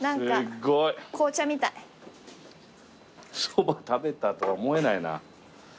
そば食べたとは思えないな。